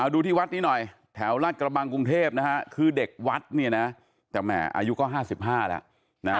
ดูที่วัดนี้หน่อยแถวรัฐกระบังกรุงเทพฯคือเด็กวัดอายุก็๕๕แล้ว